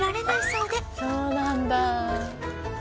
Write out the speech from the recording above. そうなんだ。